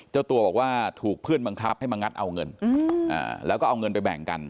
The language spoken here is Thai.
เจ้าตัวบอกว่าถูกเพื่อนบังคับให้มางัดเอาเงินแล้วก็เอาเงินไปแบ่งกัน